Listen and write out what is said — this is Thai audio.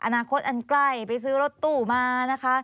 อนาคตอันใกล้ไปซื้อรถตู้มานะคะ